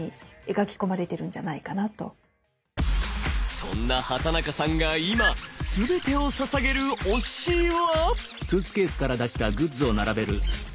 そんな畑中さんが今全てをささげる推しは。